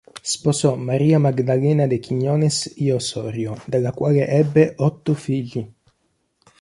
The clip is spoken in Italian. Sposò María Magdalena de Quiñones y Osorio dalla quale ebbe otto figli.